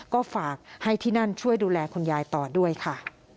ก็ฝากให้ที่นั่นช่วยดูแลคุณยายต่อด้วยค่ะ